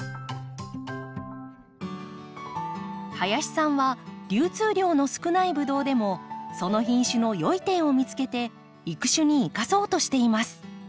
林さんは流通量の少ないブドウでもその品種の良い点を見つけて育種に生かそうとしています。